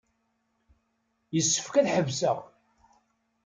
Yessefk ad ḥebseɣ.